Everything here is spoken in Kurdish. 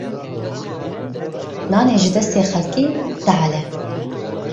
Nanê ji destê xelkê, tal e.